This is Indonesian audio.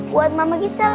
buat mama gisel